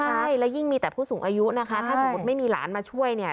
ใช่และยิ่งมีแต่ผู้สูงอายุนะคะถ้าสมมุติไม่มีหลานมาช่วยเนี่ย